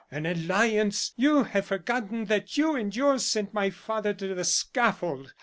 An alliance! You have forgotten that you and yours sent my father to the scaffold!